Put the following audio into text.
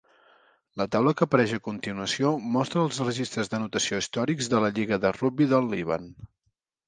La taula que apareix a continuació mostra els registres d'anotació històrics de la lliga de rugbi del Líban.